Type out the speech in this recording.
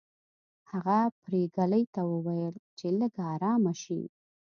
هغه پريګلې ته وویل چې لږه ارامه شي